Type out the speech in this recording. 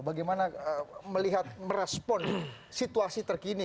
bagaimana melihat merespon situasi terkini